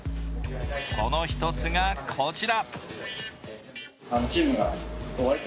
その一つが、こちら。